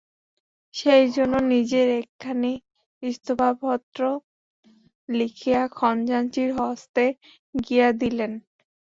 সেইজন্য নিজের একখানি ইস্তফাফত্র লিখিয়া খজাঞ্চির হস্তে গিয়া দিলেন।